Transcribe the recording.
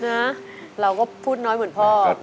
นะเราก็พูดน้อยเหมือนพ่อ